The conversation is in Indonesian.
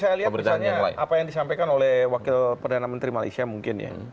jadi saya lihat misalnya apa yang disampaikan oleh wakil perdana menteri malaysia mungkin ya